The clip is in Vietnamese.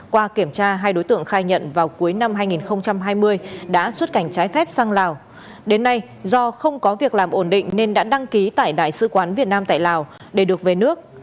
qua kiểm tra hai đối tượng khai nhận vào cuối năm hai nghìn hai mươi đã xuất cảnh trái phép sang lào đến nay do không có việc làm ổn định nên đã đăng ký tại đại sứ quán việt nam tại lào để được về nước